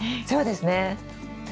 そうですね。